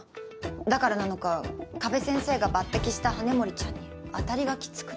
だからなのか加部先生が抜てきした羽森ちゃんに当たりがきつくて